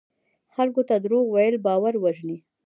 خلکو ته دروغ ویل باور وژني.